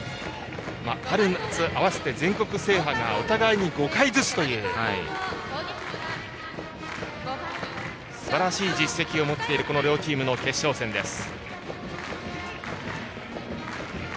春夏合わせて全国制覇がお互いに５回ずつというすばらしい実績を持っているこの両チームの決勝戦です。